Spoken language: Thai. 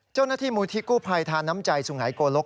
เจ้าหน้าที่มูลที่กู้ภัยทาน้ำใจสุงหายโกลก